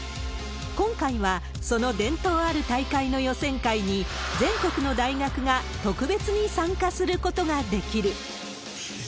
今回はその伝統ある大会の予選会に、全国の大学が特別に参加することができる。